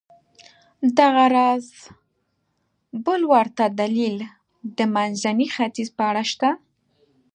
دغه راز بل ورته دلیل د منځني ختیځ په اړه شته.